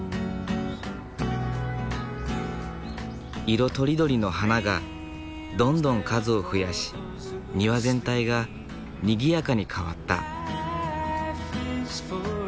色とりどりの花がどんどん数を増やし庭全体がにぎやかに変わった。